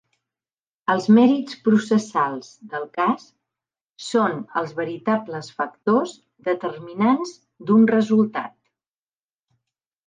Els mèrits processals del cas són els veritables factors determinants d'un resultat.